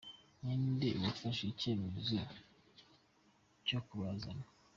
Ni nde wafashe icyemezo cyo kubazana ?